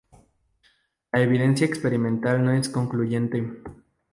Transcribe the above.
La evidencia experimental no es concluyente.